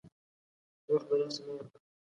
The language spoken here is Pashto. وخت دلاسه مه ورکوه !